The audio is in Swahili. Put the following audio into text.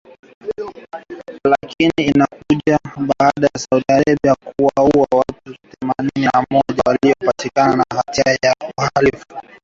Lakini inakuja baada ya Saudi Arabia kuwaua watu themanini na moja waliopatikana na hatia ya uhalifu.